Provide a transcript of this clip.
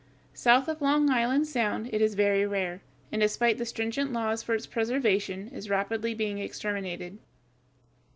South of Long Island Sound it is very rare, and despite the stringent laws for its preservation, is rapidly being exterminated.